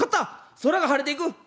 空が晴れていく！」。